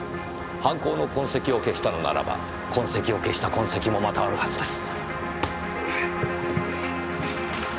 犯行の痕跡を消したのならば痕跡を消した痕跡もまたあるはずです。